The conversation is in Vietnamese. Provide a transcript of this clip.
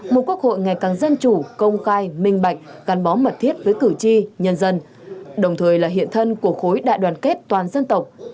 một quốc hội ngày càng dân chủ công khai minh bạch gắn bó mật thiết với cử tri nhân dân đồng thời là hiện thân của khối đại đoàn kết toàn dân tộc